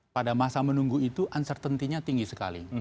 pada masa menunggu itu uncertainty nya tinggi sekali